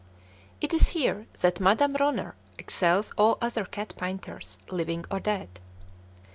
It is here that Madame Ronner excels all other cat painters, living or dead.